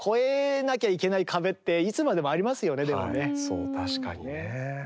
そう確かにね。